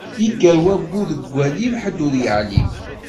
Ikker wabbu deg walim, ḥedd ur yeɛlim.